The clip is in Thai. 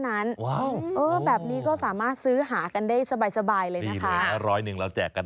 มันเป็นเรื่องพิสูงในช่วงปลายเดือนจริงนะ